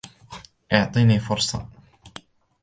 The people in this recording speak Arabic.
اعطيني فرصة!